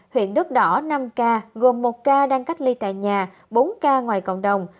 huyện đất đỏ năm ca gồm một ca đang cách ly tại nhà bốn ca ngoài cộng đồng